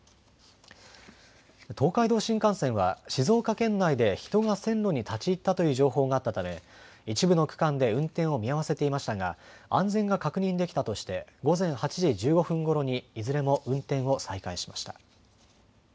東海道新幹線は静岡県内で人が線路に立ち入ったという情報があったため一部の区間で運転を見合わせていましたが安全が確認できたとして午前８時１５分ごろにいずれも運転を再開しました。